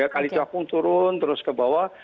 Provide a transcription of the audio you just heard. kalicakung turun terus ke bawah